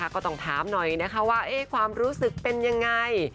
ก็ต้องถามหน่อยความรู้สึกเป็นยังไง